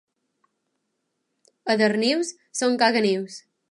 A Darnius són caganius.